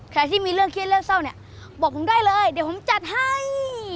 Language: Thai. ใครที่มีเรื่องเครียดเรื่องเศร้าเนี่ยบอกผมได้เลยเดี๋ยวผมจัดให้